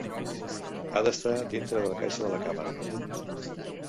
Ha d'estar dintre de la caixa de la càmera.